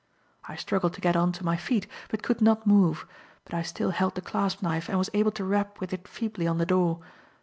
I struggled to get on to my feet, but could not move. But I still held the clasp knife and was able to rap with it feebly on the door.